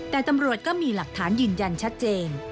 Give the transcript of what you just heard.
แต่ตำรวจก็มีหลักฐานยืนยันชัดเจน